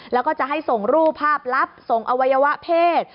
แล้วก็จะให้ส่งรูปภาพลับส่งอวัยวะเพศ